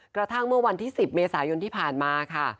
กระทั่งเมื่อวันที่๑๐เมษายนที่ผ่านมาค่ะ